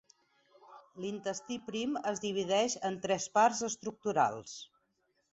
L'intestí prim es divideix en tres parts estructurals.